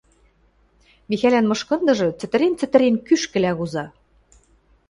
Михӓлӓн мышкындыжы, цӹтӹрен-цӹтӹрен, кӱшкӹлӓ куза.